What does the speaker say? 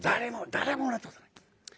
誰ももらったことがない。